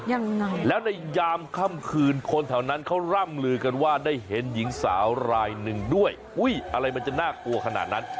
ยังไงแล้วในยามค่ำคืนคนแถวนั้นเขาร่ำลือกันว่าได้เห็นหญิงสาวรายหนึ่งด้วยอุ้ยอะไรมันจะน่ากลัวขนาดนั้น